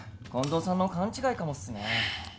近藤さんの勘違いかもっすね。